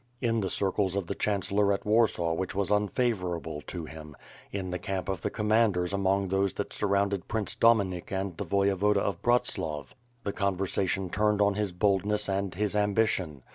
In the circles of ihe chancellor at Warsaw which was un favorable to him; in the camp of the commanders among those that surrounded Prince IJominik and the Voyevoda of Bratslav, the conversation turned on his boldness and his am bition.